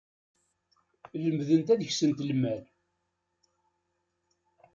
Lemdent ad ksent lmal.